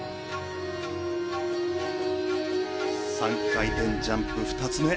３回転ジャンプ２つ目。